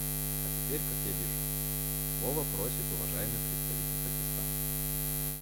А теперь, как я вижу, слова просит уважаемый представитель Пакистана.